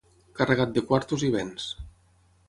Carregat de quartos i béns.